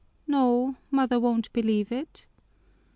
No, mother won't believe it."